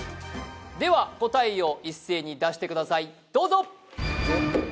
では答えを一斉に出してくださいどうぞ！